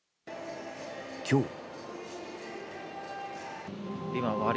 今日。